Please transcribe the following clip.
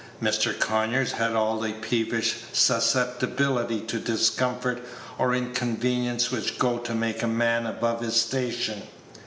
Mr. Conyers had all the peevish susceptibility to discomfort or inconvenience which go to make a man above his station.